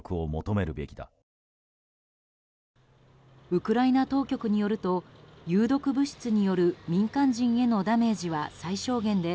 ウクライナ当局によると有毒物質による民間人へのダメージは最小限で